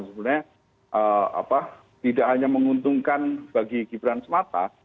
sebenarnya tidak hanya menguntungkan bagi gibran semata